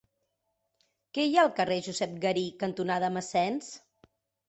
Què hi ha al carrer Josep Garí cantonada Massens?